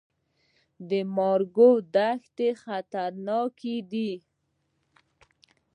د مارګو دښتې خطرناکې دي؟